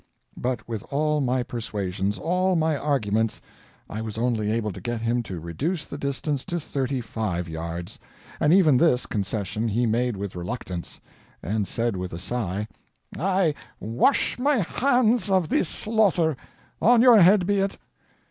But with all my persuasions, all my arguments, I was only able to get him to reduce the distance to thirty five yards; and even this concession he made with reluctance, and said with a sigh, "I wash my hands of this slaughter; on your head be it."